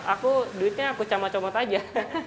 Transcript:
aku duitnya aku camat comot aja